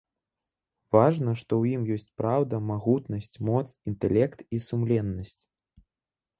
Важна, што ў ім ёсць праўда, магутнасць, моц, інтэлект і сумленнасць.